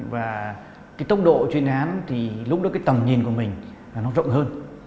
và cái tốc độ chuyên án thì lúc đó cái tầm nhìn của mình là nó rộng hơn